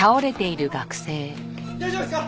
大丈夫ですか？